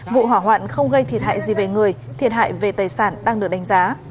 vụ hỏa hoạn không gây thiệt hại gì về người thiệt hại về tài sản đang được đánh giá